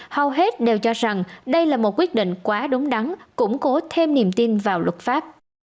hầu hết đều cho rằng đây là một quyết định quá đúng đắn củng cố thêm niềm tin vào luật pháp